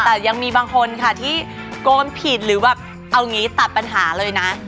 แต่ยังมีบางคนค่ะที่โกนผิดหรือแบบเอางี้ตัดปัญหาเลยนะ